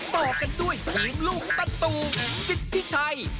ต่อกันด้วยทีมลูกประตูสิทธิชัย